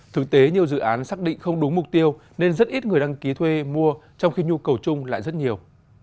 thực tế nhiều dự án xác định không đúng mục tiêu nên rất ít người đăng ký thuê mua trong khi nhu cầu chung lại rất nhiều